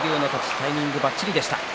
タイミングばっちりでした。